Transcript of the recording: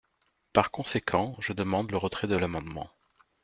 Par conséquent, je demande le retrait de l’amendement.